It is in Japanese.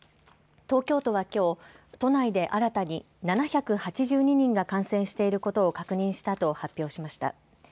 東京都はきょう都内で新たに７８２人が感染していることを確認したと発表しました。